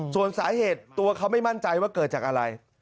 ส่วนสาเหตุตัวเขาไม่มั่นใจว่าเกิดจากอะไร